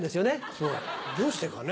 そうどうしてかね？